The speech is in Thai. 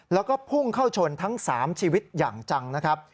แล้วก็พุ่งเข้าชนทั้ง๓ชีวิตอย่างจังนะครับ